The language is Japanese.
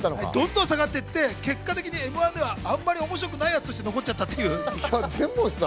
どんどん下がっていって、結果的に『М‐１』ではあまり面白くないやつとして残っちゃいました。